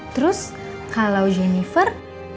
terus kalau jennifer